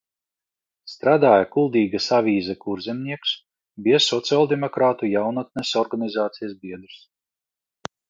"Strādāja Kuldīgas avīzē "Kurzemnieks", bija sociāldemokrātu jaunatnes organizācijas biedrs."